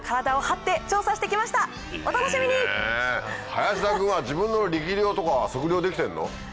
林田君は自分の力量とかは測量できてんの？